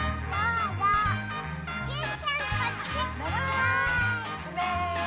うめ？